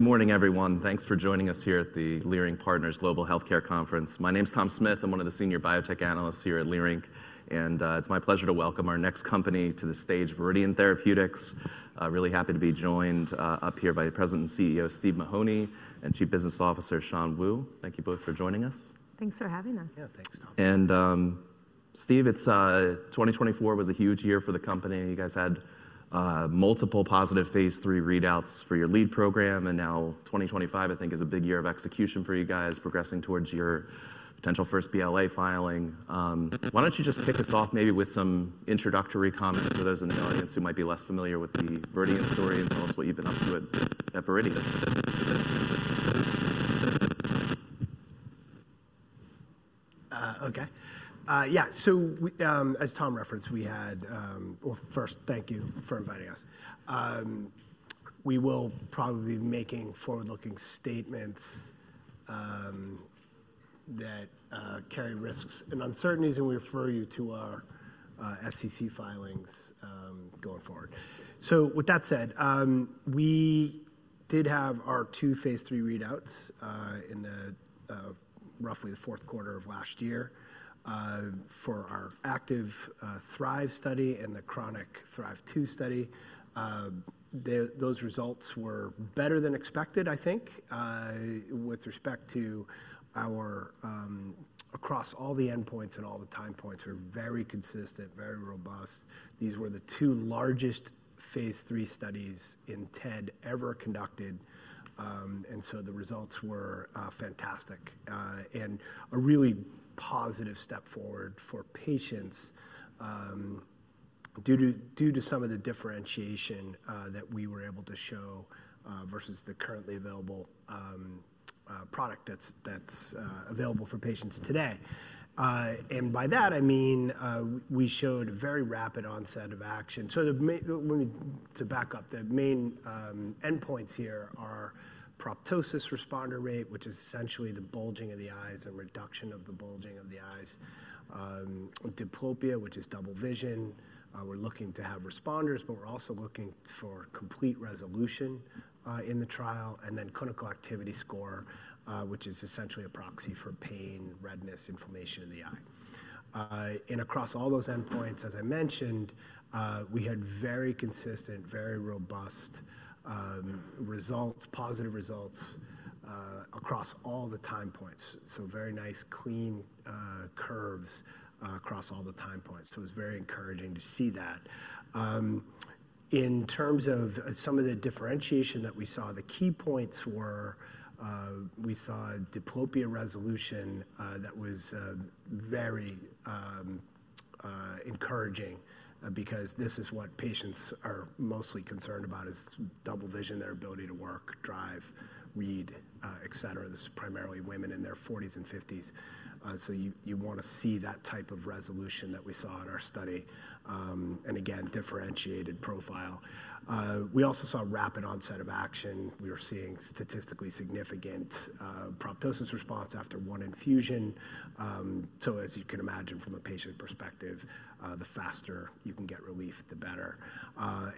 Good morning, everyone. Thanks for joining us here at the Leerink Partners Global Healthcare Conference. My name's Tom Smith. I'm one of the senior biotech analysts here at Leerink. It's my pleasure to welcome our next company to the stage, Viridian Therapeutics. Really happy to be joined up here by the President and CEO, Steve Mahoney, and Chief Business Officer, Shan Wu. Thank you both for joining us. Thanks for having us. Yeah, thanks, Tom. Steve, 2024 was a huge year for the company. You guys had multiple positive phase 3 readouts for your lead program. Now 2025, I think, is a big year of execution for you guys, progressing towards your potential first BLA filing. Why don't you just kick us off maybe with some introductory comments for those in the audience who might be less familiar with the Viridian story and tell us what you've been up to at Viridian? OK. Yeah, as Tom referenced, we had, first, thank you for inviting us. We will probably be making forward-looking statements that carry risks and uncertainties, and we refer you to our SEC filings going forward. With that said, we did have our two phase 3 readouts in roughly the fourth quarter of last year for our active THRIVE study and the chronic THRIVE-2 study. Those results were better than expected, I think, with respect to our across all the endpoints and all the time points. Very consistent, very robust. These were the two largest phase 3 studies in TED ever conducted. The results were fantastic and a really positive step forward for patients due to some of the differentiation that we were able to show versus the currently available product that's available for patients today. By that, I mean we showed a very rapid onset of action. To back up, the main endpoints here are proptosis responder rate, which is essentially the bulging of the eyes and reduction of the bulging of the eyes; diplopia, which is double vision. We're looking to have responders, but we're also looking for complete resolution in the trial. Then Clinical Activity Score, which is essentially a proxy for pain, redness, inflammation of the eye. Across all those endpoints, as I mentioned, we had very consistent, very robust results, positive results across all the time points. Very nice, clean curves across all the time points. It was very encouraging to see that. In terms of some of the differentiation that we saw, the key points were we saw diplopia resolution that was very encouraging because this is what patients are mostly concerned about: double vision, their ability to work, drive, read, et cetera. This is primarily women in their 40s and 50s. You want to see that type of resolution that we saw in our study and, again, differentiated profile. We also saw rapid onset of action. We were seeing statistically significant proptosis response after one infusion. As you can imagine, from a patient perspective, the faster you can get relief, the better.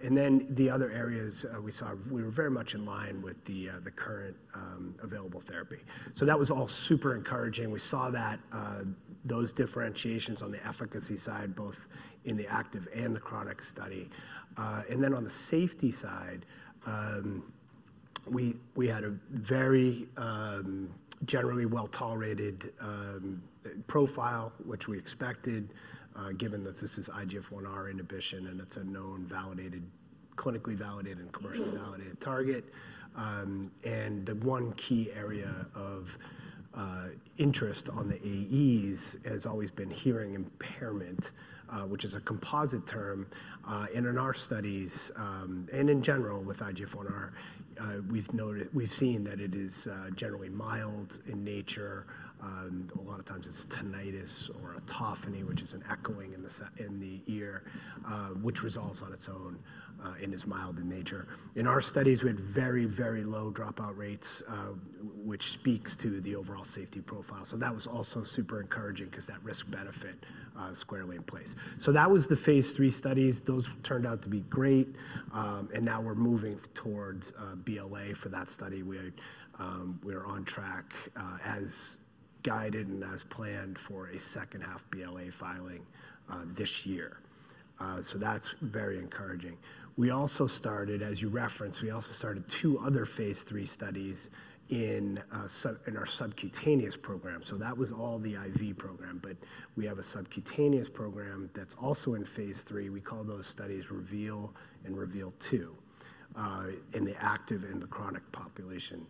The other areas we saw, we were very much in line with the current available therapy. That was all super encouraging. We saw those differentiations on the efficacy side, both in the active and the chronic study. On the safety side, we had a very generally well-tolerated profile, which we expected given that this is IGF-1R inhibition and it's a known, clinically validated, and commercially validated target. The one key area of interest on the AEs has always been hearing impairment, which is a composite term. In our studies, and in general with IGF-1R, we've seen that it is generally mild in nature. A lot of times it's tinnitus or autophony, which is an echoing in the ear, which resolves on its own and is mild in nature. In our studies, we had very, very low dropout rates, which speaks to the overall safety profile. That was also super encouraging because that risk-benefit is squarely in place. That was the phase 3 studies. Those turned out to be great. Now we're moving towards BLA for that study. We are on track as guided and as planned for a second-half BLA filing this year. That is very encouraging. We also started, as you referenced, we also started two other phase 3 studies in our subcutaneous program. That was all the IV program. We have a subcutaneous program that is also in phase 3. We call those studies REVEAL and REVEAL-2 in the active and the chronic population.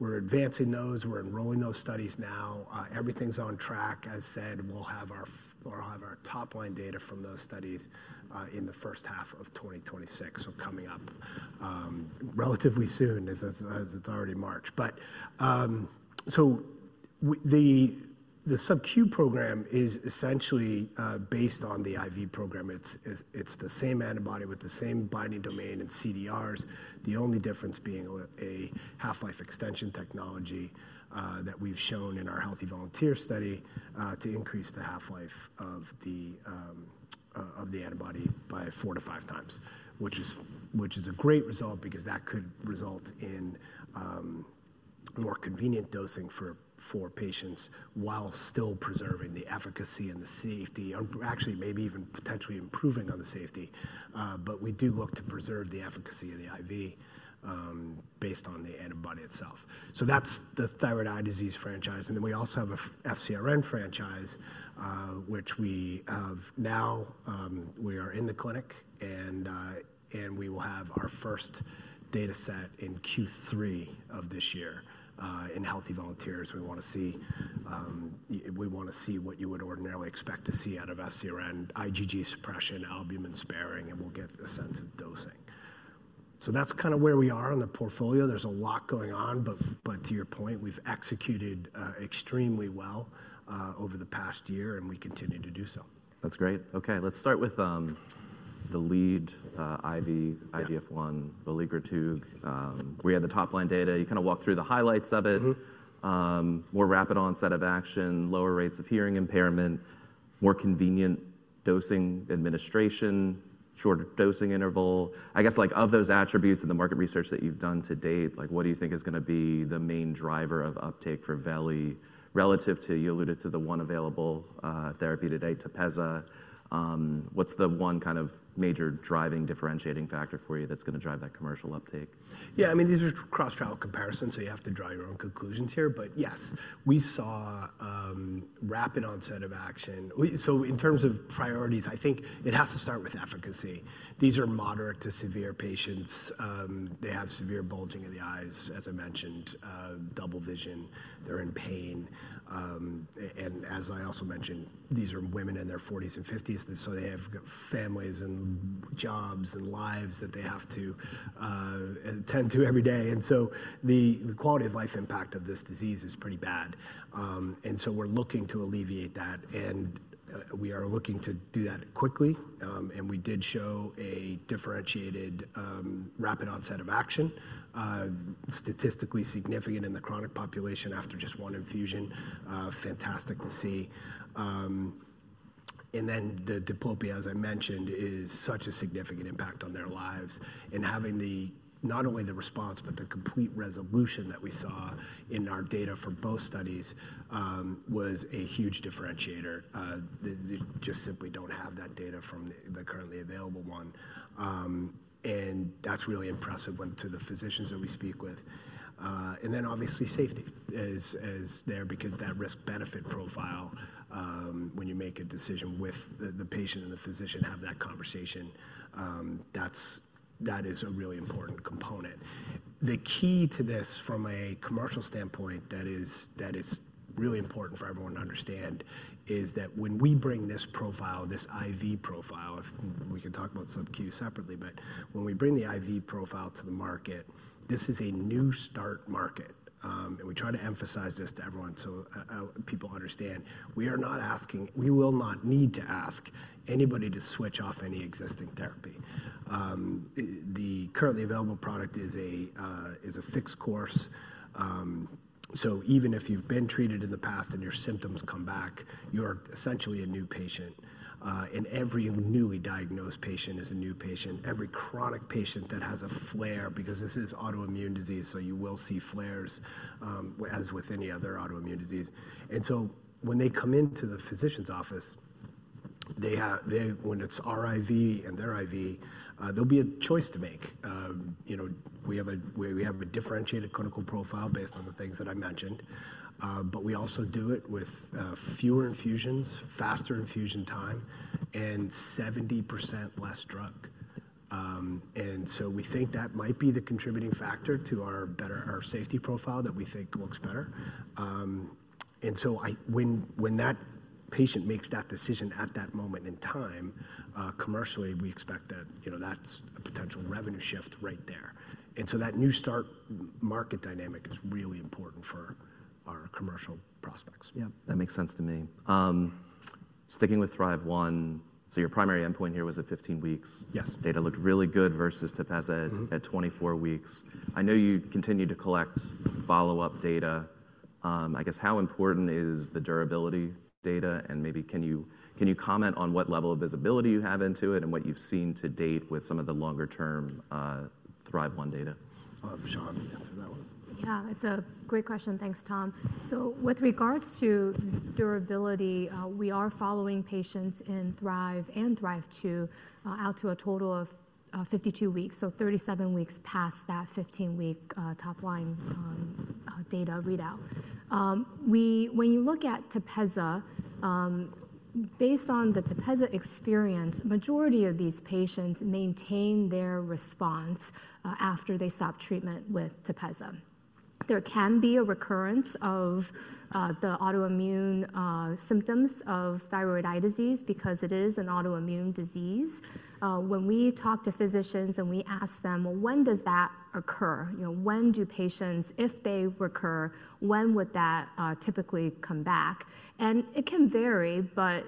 We are advancing those. We are enrolling those studies now. Everything is on track. As said, we will have our top-line data from those studies in the first half of 2026, coming up relatively soon, as it is already March. The subQ program is essentially based on the IV program. It's the same antibody with the same binding domain and CDRs, the only difference being a half-life extension technology that we've shown in our healthy volunteer study to increase the half-life of the antibody by four to five times, which is a great result because that could result in more convenient dosing for patients while still preserving the efficacy and the safety, or actually maybe even potentially improving on the safety. We do look to preserve the efficacy of the IV based on the antibody itself. That's the thyroid eye disease franchise. We also have an FcRn franchise, which we have now. We are in the clinic, and we will have our first data set in Q3 of this year in healthy volunteers. We want to see what you would ordinarily expect to see out of FcRn, IgG suppression, albumin sparing, and we'll get a sense of dosing. That is kind of where we are on the portfolio. There is a lot going on. To your point, we've executed extremely well over the past year, and we continue to do so. That's great. OK, let's start with the lead IV, IGF-1R, veligrotug. We had the top-line data. You kind of walked through the highlights of it: more rapid onset of action, lower rates of hearing impairment, more convenient dosing administration, shorter dosing interval. I guess of those attributes and the market research that you've done to date, what do you think is going to be the main driver of uptake for veli relative to you alluded to the one available therapy to date, Tepezza? What's the one kind of major driving differentiating factor for you that's going to drive that commercial uptake? Yeah, I mean, these are cross-trial comparisons, so you have to draw your own conclusions here. Yes, we saw rapid onset of action. In terms of priorities, I think it has to start with efficacy. These are moderate to severe patients. They have severe bulging of the eyes, as I mentioned, double vision. They're in pain. As I also mentioned, these are women in their 40s and 50s. They have families and jobs and lives that they have to tend to every day. The quality of life impact of this disease is pretty bad. We are looking to alleviate that. We are looking to do that quickly. We did show a differentiated rapid onset of action, statistically significant in the chronic population after just one infusion. Fantastic to see. The diplopia, as I mentioned, is such a significant impact on their lives. Having not only the response, but the complete resolution that we saw in our data for both studies was a huge differentiator. They just simply do not have that data from the currently available one. That is really impressive to the physicians that we speak with. Obviously, safety is there because that risk-benefit profile, when you make a decision with the patient and the physician, have that conversation, that is a really important component. The key to this from a commercial standpoint that is really important for everyone to understand is that when we bring this profile, this IV profile, if we can talk about subQ separately, but when we bring the IV profile to the market, this is a new start market. We try to emphasize this to everyone so people understand. We will not need to ask anybody to switch off any existing therapy. The currently available product is a fixed course. Even if you've been treated in the past and your symptoms come back, you're essentially a new patient. Every newly diagnosed patient is a new patient. Every chronic patient that has a flare, because this is autoimmune disease, you will see flares as with any other autoimmune disease. When they come into the physician's office, when it's our IV and their IV, there will be a choice to make. We have a differentiated clinical profile based on the things that I mentioned. We also do it with fewer infusions, faster infusion time, and 70% less drug. We think that might be the contributing factor to our safety profile that we think looks better. When that patient makes that decision at that moment in time, commercially, we expect that that's a potential revenue shift right there. That new start market dynamic is really important for our commercial prospects. Yeah, that makes sense to me. Sticking with THRIVE 1, your primary endpoint here was at 15 weeks. Yes. Data looked really good versus Tepezza at 24 weeks. I know you continue to collect follow-up data. I guess how important is the durability data? Maybe can you comment on what level of visibility you have into it and what you've seen to date with some of the longer-term THRIVE-1 data? Shan answered that one. Yeah, it's a great question. Thanks, Tom. With regards to durability, we are following patients in THRIVE and THRIVE-2 out to a total of 52 weeks, so 37 weeks past that 15-week top-line data readout. When you look at Tepezza, based on the Tepezza experience, the majority of these patients maintain their response after they stop treatment with Tepezza. There can be a recurrence of the autoimmune symptoms of thyroid eye disease because it is an autoimmune disease. When we talk to physicians and we ask them, well, when does that occur? When do patients, if they recur, when would that typically come back? It can vary, but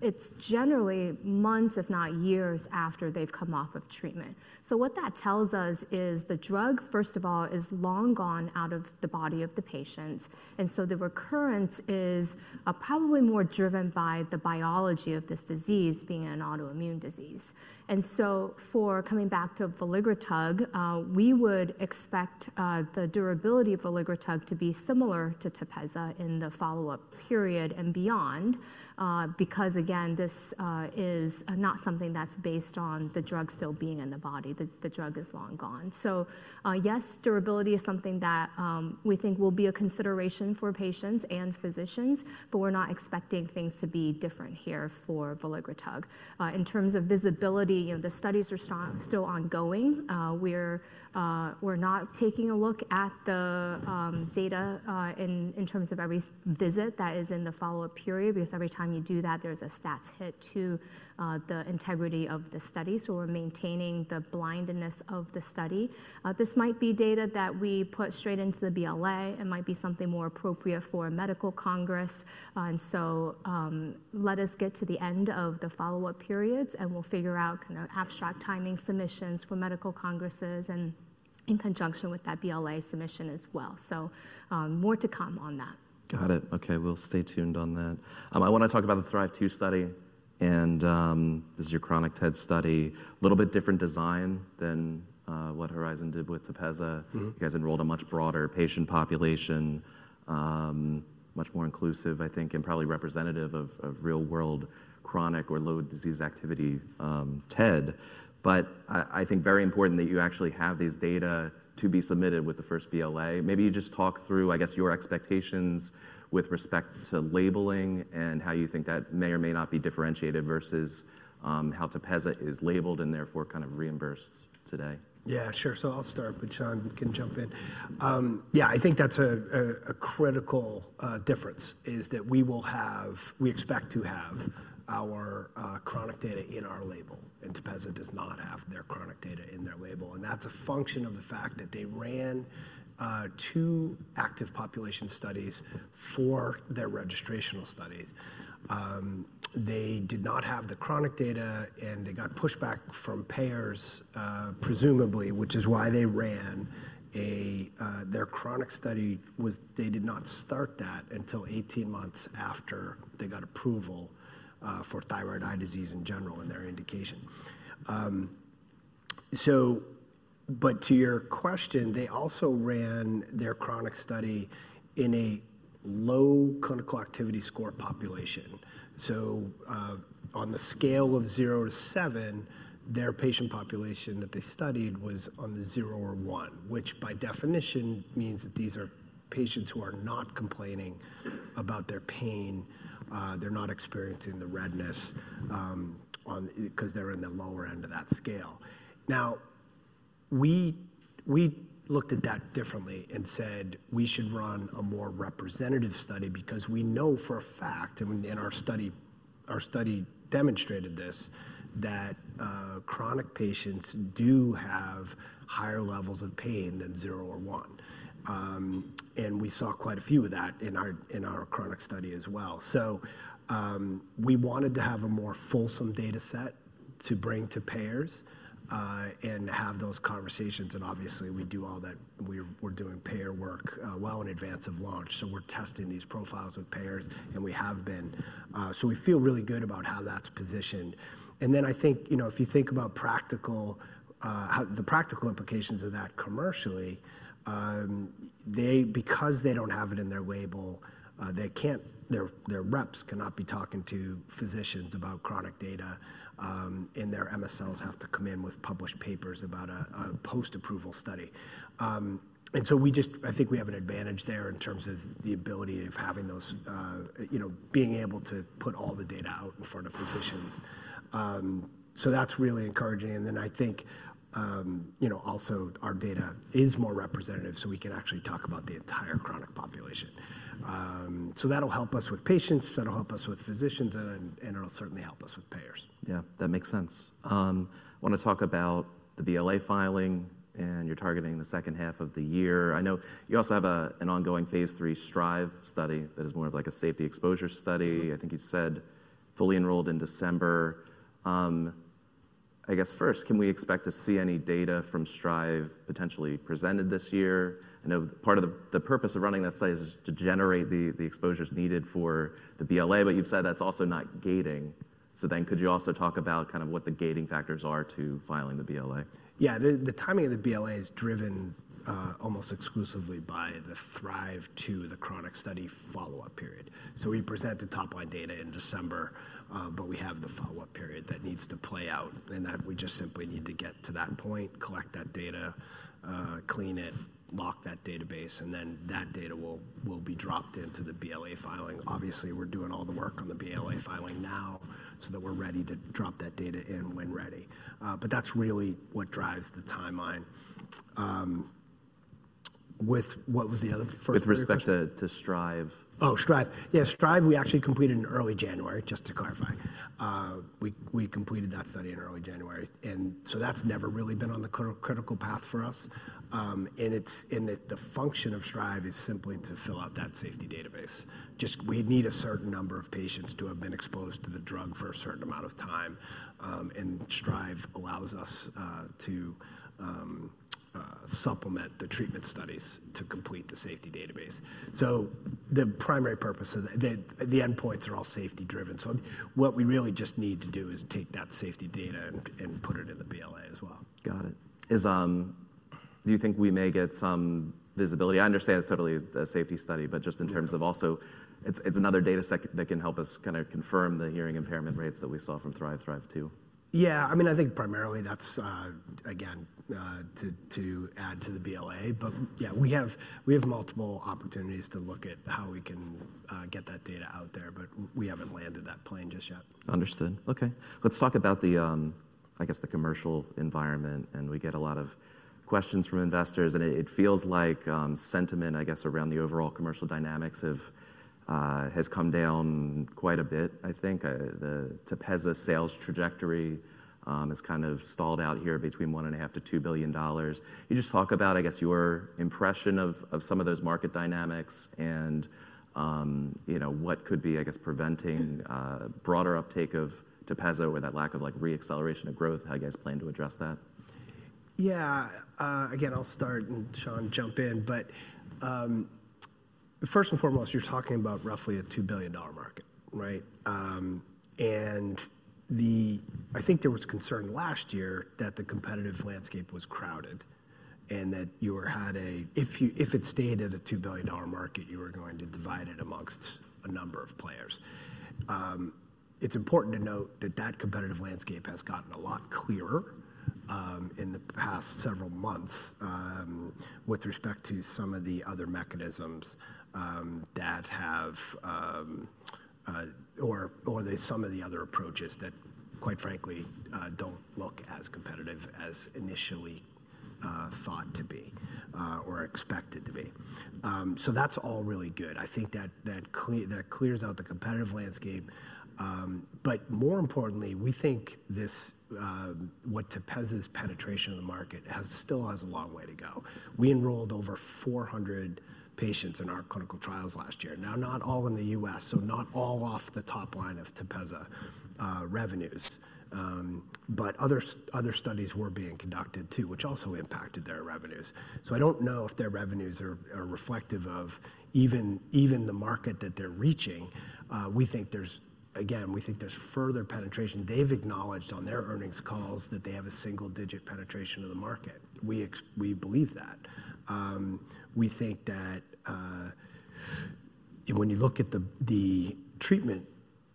it's generally months, if not years, after they've come off of treatment. What that tells us is the drug, first of all, is long gone out of the body of the patients. The recurrence is probably more driven by the biology of this disease being an autoimmune disease. Coming back to veligrotug, we would expect the durability of veligrotug to be similar to Tepezza in the follow-up period and beyond because, again, this is not something that's based on the drug still being in the body. The drug is long gone. Yes, durability is something that we think will be a consideration for patients and physicians, but we're not expecting things to be different here for veligrotug. In terms of visibility, the studies are still ongoing. We're not taking a look at the data in terms of every visit that is in the follow-up period because every time you do that, there's a stats hit to the integrity of the study. We're maintaining the blindness of the study. This might be data that we put straight into the BLA. It might be something more appropriate for a medical congress. Let us get to the end of the follow-up periods, and we'll figure out kind of abstract timing submissions for medical congresses and in conjunction with that BLA submission as well. More to come on that. Got it. OK, we'll stay tuned on that. I want to talk about the THRIVE-2 study. This is your chronic TED study, a little bit different design than what Horizon did with Tepezza. You guys enrolled a much broader patient population, much more inclusive, I think, and probably representative of real-world chronic or low disease activity TED. I think very important that you actually have these data to be submitted with the first BLA. Maybe you just talk through, I guess, your expectations with respect to labeling and how you think that may or may not be differentiated versus how Tepezza is labeled and therefore kind of reimbursed today. Yeah, sure. I'll start, but Shan can jump in. I think that's a critical difference is that we expect to have our chronic data in our label, and Tepezza does not have their chronic data in their label. That's a function of the fact that they ran two active population studies for their registrational studies. They did not have the chronic data, and they got pushback from payers, presumably, which is why they ran their chronic study. They did not start that until 18 months after they got approval for thyroid eye disease in general and their indication. To your question, they also ran their chronic study in a low Clinical Activity Score population. On the scale of 0 to 7, their patient population that they studied was on the 0 or 1, which by definition means that these are patients who are not complaining about their pain. They're not experiencing the redness because they're in the lower end of that scale. Now, we looked at that differently and said we should run a more representative study because we know for a fact, and our study demonstrated this, that chronic patients do have higher levels of pain than 0 or 1. We saw quite a few of that in our chronic study as well. We wanted to have a more fulsome data set to bring to payers and have those conversations. Obviously, we do all that. We're doing payer work well in advance of launch. We're testing these profiles with payers, and we have been. We feel really good about how that's positioned. I think if you think about the practical implications of that commercially, because they do not have it in their label, their reps cannot be talking to physicians about chronic data, and their MSLs have to come in with published papers about a post-approval study. I think we have an advantage there in terms of the ability of being able to put all the data out in front of physicians. That is really encouraging. I think also our data is more representative, so we can actually talk about the entire chronic population. That will help us with patients. That will help us with physicians, and it will certainly help us with payers. Yeah, that makes sense. I want to talk about the BLA filing, and you're targeting the second half of the year. I know you also have an ongoing phase three STRIVE study that is more of like a safety exposure study. I think you said fully enrolled in December. I guess first, can we expect to see any data from STRIVE potentially presented this year? I know part of the purpose of running that study is to generate the exposures needed for the BLA, but you've said that's also not gating. Could you also talk about kind of what the gating factors are to filing the BLA? Yeah, the timing of the BLA is driven almost exclusively by the THRIVE-2, the chronic study follow-up period. We present the top-line data in December, but we have the follow-up period that needs to play out. We just simply need to get to that point, collect that data, clean it, lock that database, and then that data will be dropped into the BLA filing. Obviously, we're doing all the work on the BLA filing now so that we're ready to drop that data in when ready. That's really what drives the timeline. What was the other first question? With respect to STRIVE. Oh, STRIVE. Yeah, STRIVE we actually completed in early January, just to clarify. We completed that study in early January. That's never really been on the critical path for us. The function of STRIVE is simply to fill out that safety database. We need a certain number of patients to have been exposed to the drug for a certain amount of time. STRIVE allows us to supplement the treatment studies to complete the safety database. The primary purpose, the endpoints are all safety-driven. What we really just need to do is take that safety data and put it in the BLA as well. Got it. Do you think we may get some visibility? I understand it's totally a safety study, but just in terms of also it's another data set that can help us kind of confirm the hearing impairment rates that we saw from THRIVE, THRIVE-2. Yeah, I mean, I think primarily that's, again, to add to the BLA. Yeah, we have multiple opportunities to look at how we can get that data out there, but we haven't landed that plane just yet. Understood. OK, let's talk about, I guess, the commercial environment. We get a lot of questions from investors. It feels like sentiment, I guess, around the overall commercial dynamics has come down quite a bit, I think. The Tepezza sales trajectory has kind of stalled out here between $1.5 billion-$2 billion. Can you just talk about, I guess, your impression of some of those market dynamics and what could be, I guess, preventing broader uptake of Tepezza or that lack of re-acceleration of growth? How do you guys plan to address that? Yeah, again, I'll start and Shan, jump in. First and foremost, you're talking about roughly a $2 billion market, right? I think there was concern last year that the competitive landscape was crowded and that if it stayed at a $2 billion market, you were going to divide it amongst a number of players. It's important to note that the competitive landscape has gotten a lot clearer in the past several months with respect to some of the other mechanisms that have, or some of the other approaches that, quite frankly, don't look as competitive as initially thought to be or expected to be. That's all really good. I think that clears out the competitive landscape. More importantly, we think what Tepezza's penetration of the market still has a long way to go. We enrolled over 400 patients in our clinical trials last year, not all in the U.S., so not all off the top line of Tepezza revenues. Other studies were being conducted too, which also impacted their revenues. I do not know if their revenues are reflective of even the market that they are reaching. Again, we think there is further penetration. They have acknowledged on their earnings calls that they have a single-digit penetration of the market. We believe that. We think that when you look at the treatment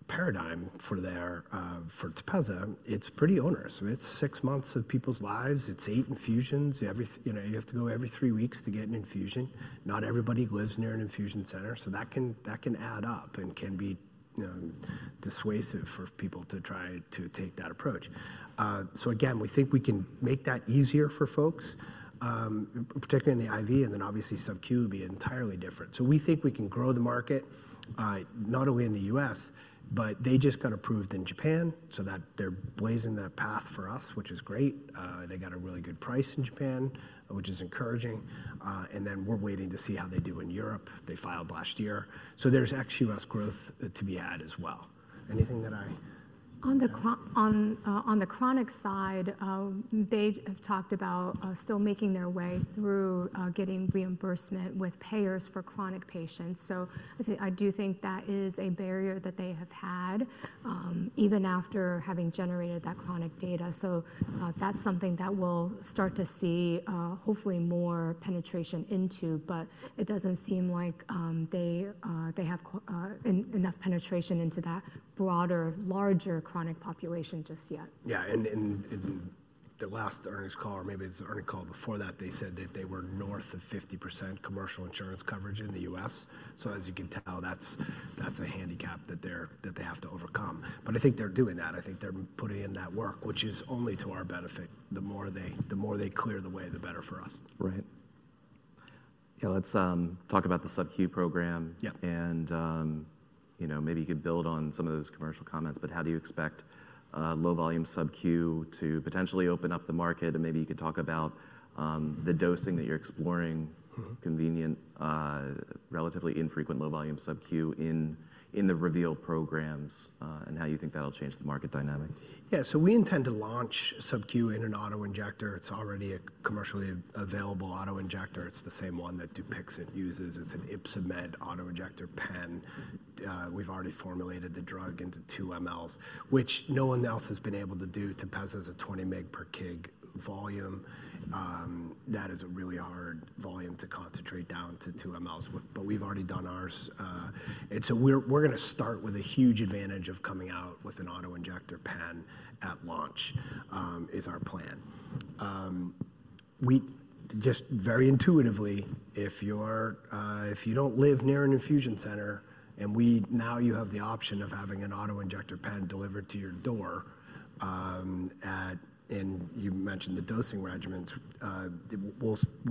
paradigm for Tepezza, it is pretty onerous. It is six months of people's lives. It is eight infusions. You have to go every three weeks to get an infusion. Not everybody lives near an infusion center. That can add up and can be dissuasive for people to try to take that approach. Again, we think we can make that easier for folks, particularly in the IV, and then obviously subQ would be entirely different. We think we can grow the market, not only in the U.S., but they just got approved in Japan, so they're blazing that path for us, which is great. They got a really good price in Japan, which is encouraging. We are waiting to see how they do in Europe. They filed last year. There is ex-U.S. growth to be had as well. Anything that I? On the chronic side, they have talked about still making their way through getting reimbursement with payers for chronic patients. I do think that is a barrier that they have had even after having generated that chronic data. That is something that we'll start to see hopefully more penetration into. It doesn't seem like they have enough penetration into that broader, larger chronic population just yet. Yeah, at the last earnings call, or maybe it's the earnings call before that, they said that they were north of 50% commercial insurance coverage in the U.S. As you can tell, that's a handicap that they have to overcome. I think they're doing that. I think they're putting in that work, which is only to our benefit. The more they clear the way, the better for us. Right. Yeah, let's talk about the subQ program. Maybe you could build on some of those commercial comments. How do you expect low volume subQ to potentially open up the market? Maybe you could talk about the dosing that you're exploring, convenient, relatively infrequent low volume subQ in the REVEAL programs and how you think that'll change the market dynamics. Yeah, so we intend to launch subQ in an autoinjector. It's already a commercially available autoinjector. It's the same one that Dupixent uses. It's an Ypsomed autoinjector pen. We've already formulated the drug into 2 mLs, which no one else has been able to do. Tepezza's a 20 mg per kg volume. That is a really hard volume to concentrate down to 2 mLs. We've already done ours. We're going to start with a huge advantage of coming out with an autoinjector pen at launch is our plan. Just very intuitively, if you don't live near an infusion center and now you have the option of having an autoinjector pen delivered to your door, and you mentioned the dosing regimens,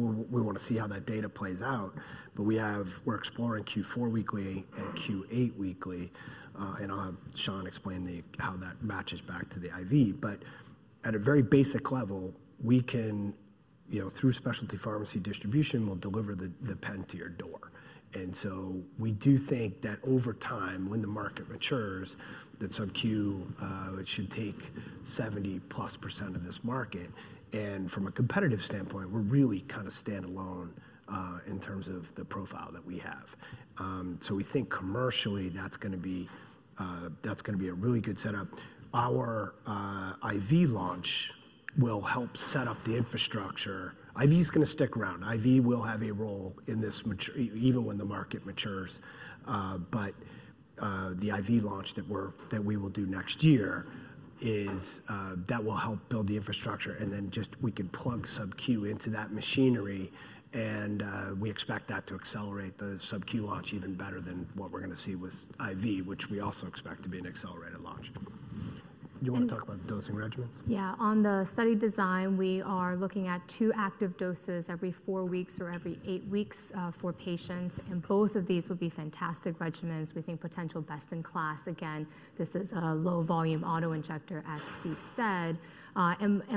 we want to see how that data plays out. We're exploring Q4 weekly and Q8 weekly. I'll have Shan explain how that matches back to the IV. At a very basic level, through specialty pharmacy distribution, we'll deliver the pen to your door. We do think that over time, when the market matures, that subQ should take 70%+ of this market. From a competitive standpoint, we're really kind of standalone in terms of the profile that we have. We think commercially that's going to be a really good setup. Our IV launch will help set up the infrastructure. IV is going to stick around. IV will have a role in this even when the market matures. The IV launch that we will do next year, that will help build the infrastructure. We could plug subQ into that machinery. We expect that to accelerate the subQ launch even better than what we're going to see with IV, which we also expect to be an accelerated launch. Yeah. Do you want to talk about dosing regimens? Yeah, on the study design, we are looking at two active doses every four weeks or every eight weeks for patients. Both of these would be fantastic regimens. We think potential best in class. This is a low volume auto injector, as Steve said.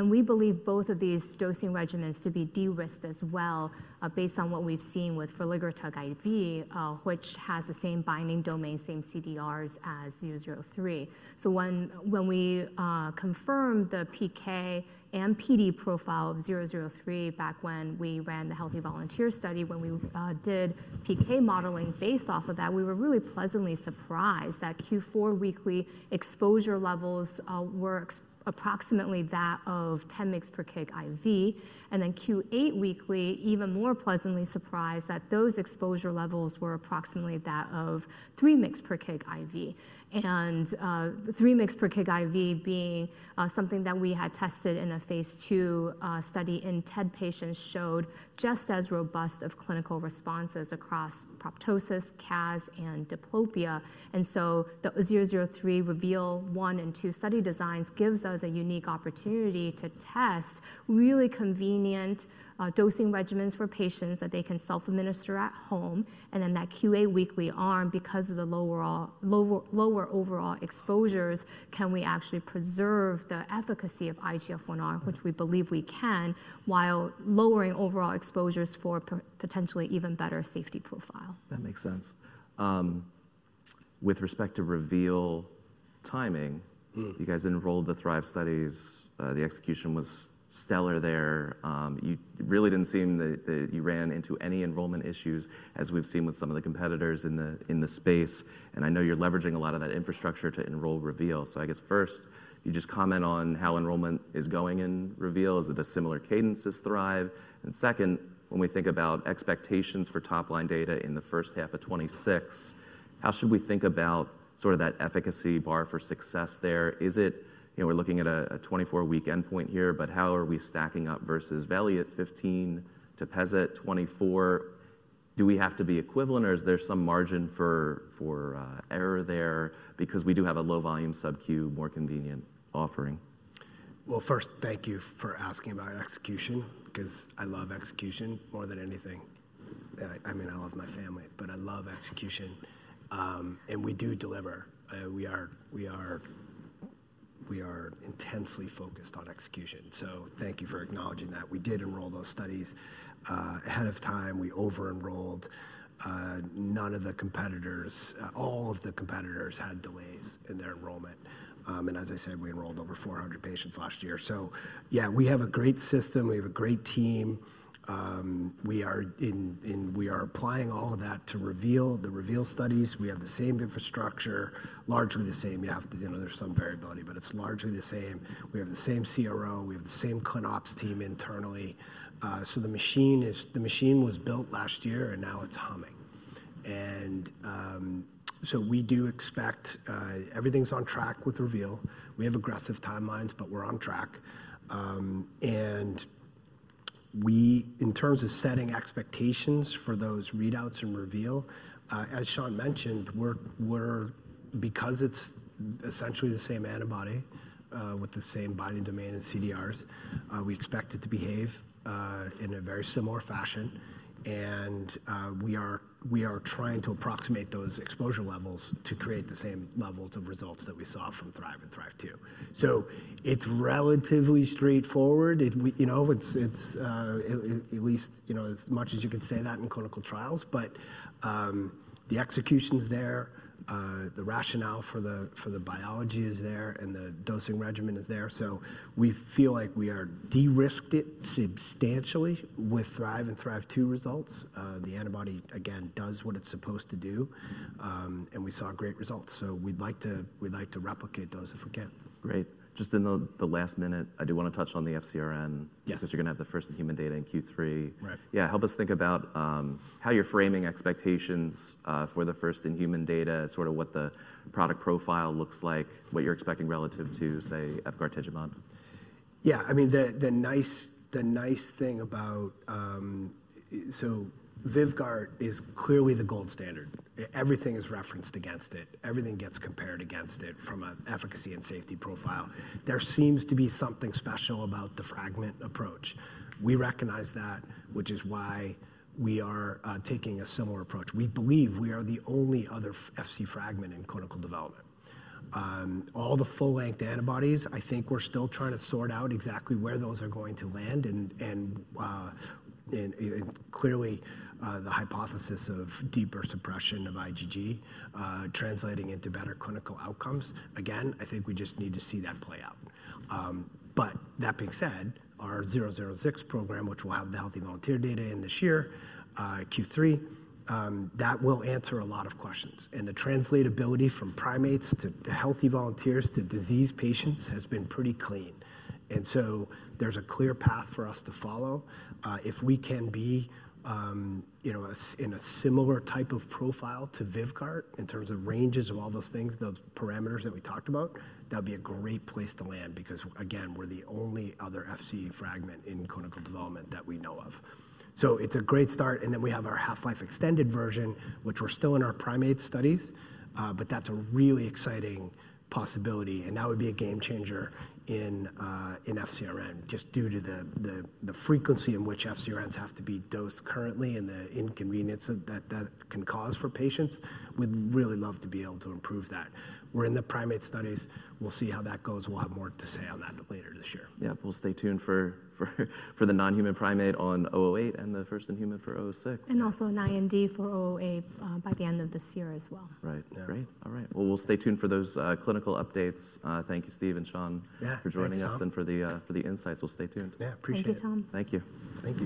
We believe both of these dosing regimens to be de-risked as well based on what we've seen with veligrotug IV, which has the same binding domain, same CDRs as 003. When we confirmed the PK and PD profile of 003 back when we ran the healthy volunteer study, when we did PK modeling based off of that, we were really pleasantly surprised that Q4 weekly exposure levels were approximately that of 10 mg per kg IV. Q8 weekly, even more pleasantly surprised that those exposure levels were approximately that of 3 mg per kg IV. Three mg per kg IV being something that we had tested in a phase two study in TED patients showed just as robust of clinical responses across proptosis, CAS, and diplopia. The 003 REVEAL-1 and 2 study designs give us a unique opportunity to test really convenient dosing regimens for patients that they can self-administer at home. That Q8 weekly arm, because of the lower overall exposures, can we actually preserve the efficacy of IGF-1R, which we believe we can, while lowering overall exposures for potentially even better safety profile. That makes sense. With respect to REVEAL timing, you guys enrolled the THRIVE studies. The execution was stellar there. It really did not seem that you ran into any enrollment issues, as we have seen with some of the competitors in the space. I know you are leveraging a lot of that infrastructure to enroll REVEAL. I guess first, you just comment on how enrollment is going in REVEAL. Is it a similar cadence as THRIVE? When we think about expectations for top-line data in the first half of 2026, how should we think about sort of that efficacy bar for success there? We are looking at a 24-week endpoint here, but how are we stacking up versus veligrotug 15, Tepezza 24? Do we have to be equivalent, or is there some margin for error there? Because we do have a low volume SubQ more convenient offering. First, thank you for asking about execution, because I love execution more than anything. I mean, I love my family, but I love execution. And we do deliver. We are intensely focused on execution. Thank you for acknowledging that. We did enroll those studies ahead of time. We over-enrolled. None of the competitors, all of the competitors had delays in their enrollment. As I said, we enrolled over 400 patients last year. Yeah, we have a great system. We have a great team. We are applying all of that to REVEAL, the REVEAL studies. We have the same infrastructure, largely the same. There is some variability, but it is largely the same. We have the same CRO. We have the same clin ops team internally. The machine was built last year, and now it is humming. We do expect everything is on track with REVEAL. We have aggressive timelines, but we're on track. In terms of setting expectations for those readouts in REVEAL, as Shan mentioned, because it's essentially the same antibody with the same binding domain and CDRs, we expect it to behave in a very similar fashion. We are trying to approximate those exposure levels to create the same levels of results that we saw from THRIVE and THRIVE-2. It is relatively straightforward, at least as much as you can say that in clinical trials. The execution's there. The rationale for the biology is there, and the dosing regimen is there. We feel like we have de-risked it substantially with THRIVE and THRIVE-2 results. The antibody, again, does what it's supposed to do. We saw great results. We'd like to replicate those if we can. Great. Just in the last minute, I do want to touch on the FcRn. Yes. Because you're going to have the first in human data in Q3. Right. Yeah, help us think about how you're framing expectations for the first in human data, sort of what the product profile looks like, what you're expecting relative to, say, Vyvgart or Tepezza. Yeah, I mean, the nice thing about, so Vyvgart is clearly the gold standard. Everything is referenced against it. Everything gets compared against it from an efficacy and safety profile. There seems to be something special about the fragment approach. We recognize that, which is why we are taking a similar approach. We believe we are the only other Fc fragment in clinical development. All the full-length antibodies, I think we're still trying to sort out exactly where those are going to land. Clearly, the hypothesis of deeper suppression of IgG translating into better clinical outcomes. Again, I think we just need to see that play out. That being said, our 006 program, which will have the healthy volunteer data in this year, Q3, that will answer a lot of questions. The translatability from primates to healthy volunteers to diseased patients has been pretty clean. There is a clear path for us to follow. If we can be in a similar type of profile to Vyvgart in terms of ranges of all those things, those parameters that we talked about, that would be a great place to land. Because again, we're the only other Fc fragment in clinical development that we know of. It is a great start. We have our half-life extended version, which we're still in our primate studies. That is a really exciting possibility. That would be a game changer in FcRn just due to the frequency in which FcRns have to be dosed currently and the inconvenience that can cause for patients. We'd really love to be able to improve that. We're in the primate studies. We'll see how that goes. We'll have more to say on that later this year. Yep, we'll stay tuned for the non-human primate on 008 and the first in human for 006. Also an IND for VRDN-008 by the end of this year as well. Right. Great. All right. We'll stay tuned for those clinical updates. Thank you, Steve and Shan, for joining us and for the insights. We'll stay tuned. Yeah, appreciate it. Thank you, Tom. Thank you.